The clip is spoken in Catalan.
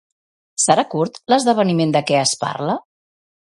Serà curt l'esdeveniment de què es parla?